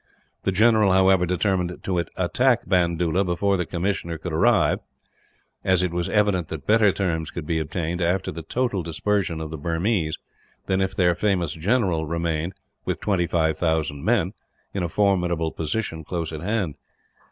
The general, however, determined to attack Bandoola before the commissioner could arrive; as it was evident that better terms could be obtained, after the total dispersion of the Burmese, than if their famous general remained, with 25,000 men, in a formidable position close at hand.